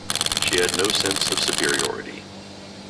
She had no sense of superiority.